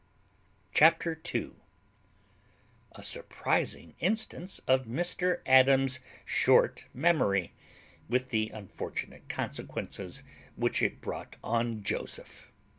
CHAPTER II. _A surprizing instance of Mr Adams's short memory, with the unfortunate consequences which it brought on Joseph.